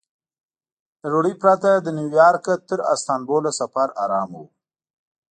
له ډوډۍ پرته له نیویارکه تر استانبوله سفر ارامه و.